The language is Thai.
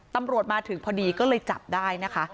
ตำรวจมาถึงพอดีก็เลยจับได้นะคะ